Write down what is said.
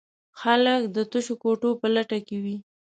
خلک د تشو کوټو په لټه کې وي.